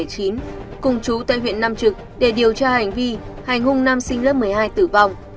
cùng chú tại huyện nam trực để điều tra hành vi hành hung nam sinh lớp một mươi hai tử vong